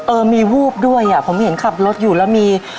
เออมีวูบด้วยอ่ะผมเห็นขับรถอยู่แล้วมี